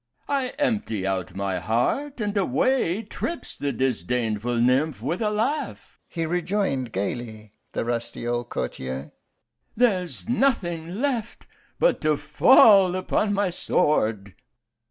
'I empty out my heart, and away trips the disdainful nymph with a laugh,' he rejoined gaily, the rusty old courtier; 'there's nothing left but to fall upon my sword!